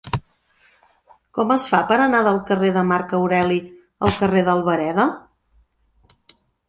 Com es fa per anar del carrer de Marc Aureli al carrer d'Albareda?